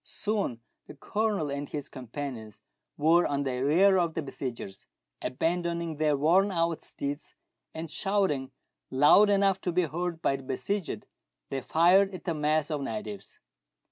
Soon the Colonel and his companions were on the rear of the besiegers. Abandoning their worn out steeds, and shouting loud enough to be heard by the besieged, they fired at the mass of natives.